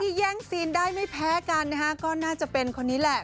แย่งซีนได้ไม่แพ้กันนะฮะก็น่าจะเป็นคนนี้แหละ